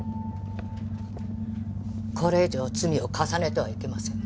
これ以上罪を重ねてはいけません。